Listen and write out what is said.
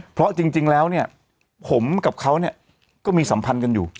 เพราะจริงแล้วเนี่ยผมกับเขาก็มีสัมพันธ์กันอยู่